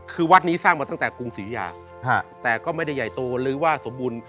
คือวัดนี้สร้างมาตั้งแต่กรุงศรียาแต่ก็ไม่ได้ใหญ่โตหรือว่าสมบูรณ์